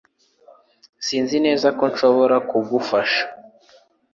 Sinzi neza uko nshobora kugufasha